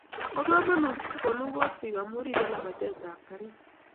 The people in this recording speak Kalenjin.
Bo komonut konogutik amu ribei labatetap garit